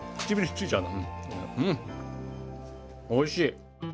おいしい！